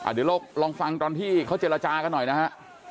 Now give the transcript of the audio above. เดี๋ยวเราลองฟังตอนที่เขาเจรจากันหน่อยนะฮะ